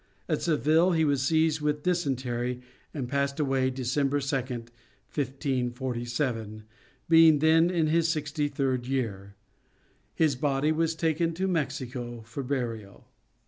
At Seville he was seized with dysentery and passed away December 2, 1547, being then in his sixty third year. His body was taken to Mexico for burial.